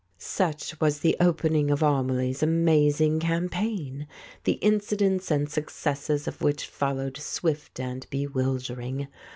Such was the opening of Amelie's amazing cam paign, the incidents and successes of which followed swift and bewildering.